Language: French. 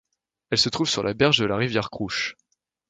Elle se trouve sur la berge de la rivière Crouch.